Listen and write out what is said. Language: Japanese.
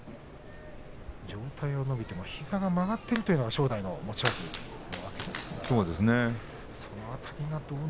上体が伸びても膝が曲がっているというのが正代の持ち味なんですがね。